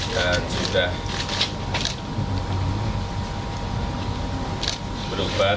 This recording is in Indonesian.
dan sudah berubat